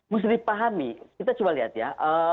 mesti dipahami kita coba lihat ya